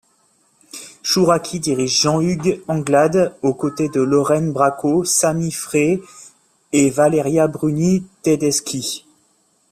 Chouraqui dirige Jean-Hugues Anglade au côté de Lorraine Bracco, Sami Frey et Valeria Bruni-Tedeschi.